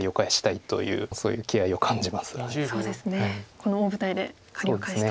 この大舞台で借りを返すと。